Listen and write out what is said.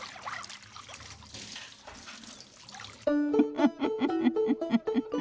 ウフフフフフフフ。